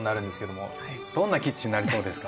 どんなキッチンになりそうですか？